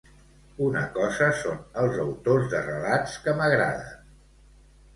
Una cosa són els autors de relats que m'agraden.